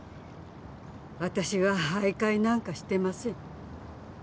私は徘徊なんかしてません。